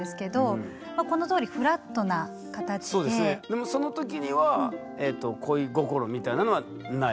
でもそのときには恋心みたいなのはないですよね？